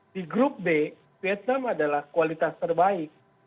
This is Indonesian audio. di grup b vietnam adalah kualitas terbaik